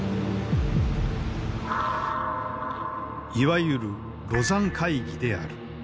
いわゆる廬山会議である。